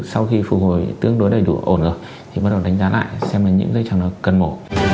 sau khi phục hồi tương đối đầy đủ ổn rồi thì bắt đầu đánh giá lại xem là những dây chẳng nó cần mổ